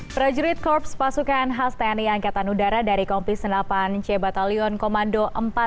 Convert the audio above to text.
prajurit korps pasukan khas tni angkatan udara dari komplis sembilan puluh delapan c batalion komando empat ratus enam puluh enam